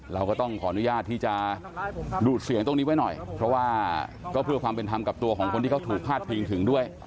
เราก็ต้องขออนุญาตที่จะดูดเสียงตรงนี้ไว้หน่อยเพราะว่าก็เพื่อความเป็นธรรมกับตัวของคนที่เขาถูกพาดพิงถึงด้วย